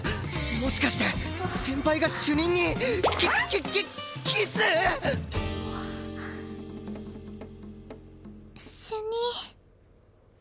もしかして先輩が主任にキキキキス！？主任。